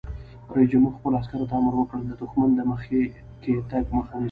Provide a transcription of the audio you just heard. رئیس جمهور خپلو عسکرو ته امر وکړ؛ د دښمن د مخکې تګ مخه ونیسئ!